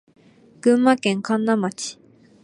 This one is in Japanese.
群馬県神流町